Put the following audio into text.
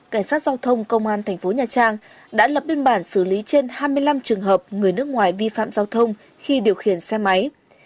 cảnh sát giao thông công an thành phố nhà trang đã lập biên bản xử lý trên hai mươi năm trường hợp người nước ngoài vi phạm giao thông khi điều khiển xe máy